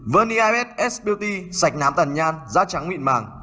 verniabed s beauty sạch nám tàn nhan da trắng mịn màng